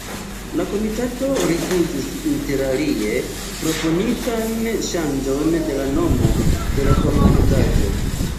La komitato rifuzis interalie proponitan ŝanĝon de la nomo de la organizaĵo.